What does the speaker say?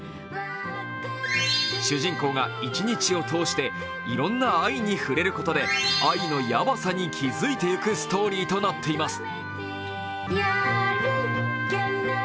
主人公が一日を通していろんな愛に触れることで、愛のヤバさに気付いていくストーリーとなっています。